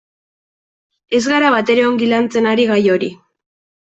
Ez gara batere ongi lantzen ari gai hori.